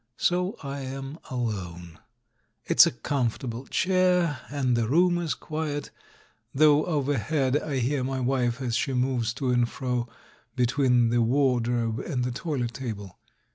So I am alone. It's a comfortable chair; and the room is quiet, though overhead I hear my wife as she moves to and fro between the wardrobe and the toilet table.